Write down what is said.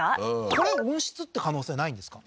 これ温室って可能性はないんですか？